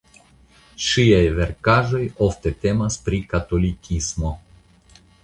Ŝiaj verkaĵoj ofte temas pri katolikismo.